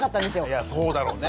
いやそうだろうね。